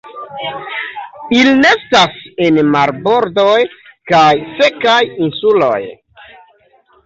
Ili nestas en marbordoj kaj sekaj insuloj.